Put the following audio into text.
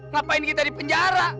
ngapain kita di penjara